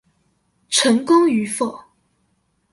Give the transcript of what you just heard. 成功與否